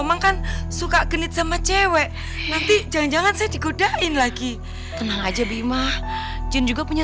emang kan suka genit sama cewek nanti jangan jangan saya digodain lagi tenang aja bima jin juga punya